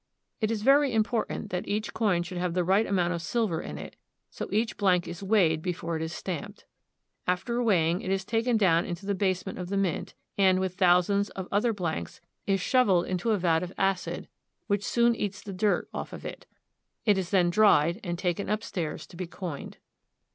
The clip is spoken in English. It is very important that each coin should have the right amount of silver in it, so each blank is weighed before it is stamped. After weighing it is taken down into the basement of the mint, and, with thousands of other blanks, is shoveled into a vat of acid, which soon eats the dirt off of it. It is then dried and taken upstairs to be coined.